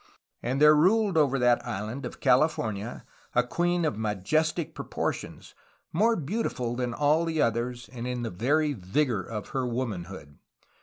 ... [And] there ruled over that island of California a queen of majestic proportions, more beautiful than all others, and in the very vigor of her womanhood.